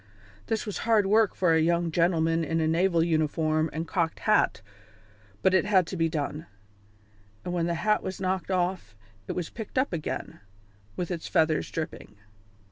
This was hard work for a young gentleman in a naval uniform and cocked hat, but it had to be done; and when the hat was knocked off it was picked up again, with its feathers dripping.